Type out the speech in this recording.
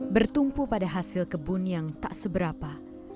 bertumpu pada hasil kebun yang tak seberapa